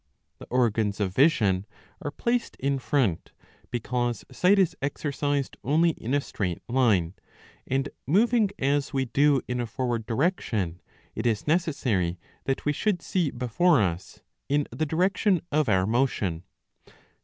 The organs of vision are placed in front, because sight is exercised only in a straight line, and moving as we do in a forward direction it is necessary that we should see before us, in the direction of our motion.